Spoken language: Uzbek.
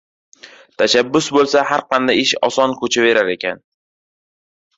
Tashabbus boʻlsa, har qanday ish oson koʻchaverar ekan.